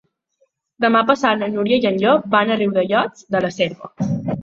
Demà passat na Núria i en Llop van a Riudellots de la Selva.